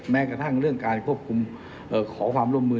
ในเรื่องการควบคุมของความร่วมมือ